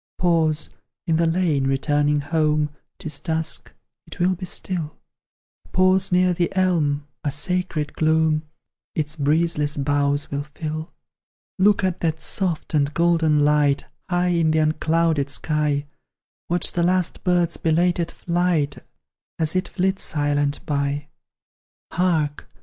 Pause, in the lane, returning home; 'Tis dusk, it will be still: Pause near the elm, a sacred gloom Its breezeless boughs will fill. Look at that soft and golden light, High in the unclouded sky; Watch the last bird's belated flight, As it flits silent by. Hark!